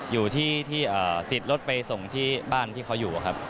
อยู่ที่ติดรถไปส่งที่บ้านที่เขาอยู่ครับ